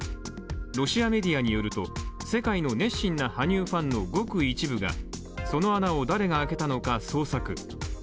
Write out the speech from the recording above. ロシアメディアによると、世界の熱心な羽生ファンがその穴を誰があけたのか捜索。